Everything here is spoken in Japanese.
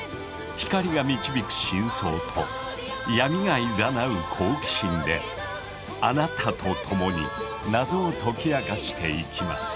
光が導く真相と闇がいざなう好奇心であなたと共に謎を解き明かしていきます。